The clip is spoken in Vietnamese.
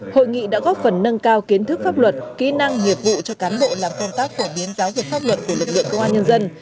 hội nghị đã góp phần nâng cao kiến thức pháp luật kỹ năng nghiệp vụ cho cán bộ làm công tác phổ biến giáo dục pháp luật của lực lượng công an nhân dân